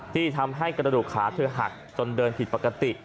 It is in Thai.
ที่ทำให้กระดูกขาเธอหักจนเดินผิดปกติ